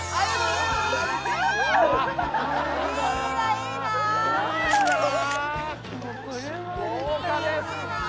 いいな！